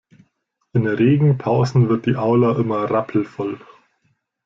In Regenpausen wird die Aula immer rappelvoll.